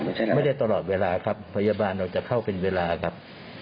ไม่ได้ตลอดเวลาครับพยาบาลเราจะเข้าเป็นเวลาครับ